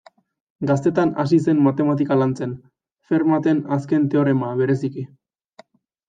Gaztetan hasi zen matematika lantzen, Fermaten azken teorema bereziki.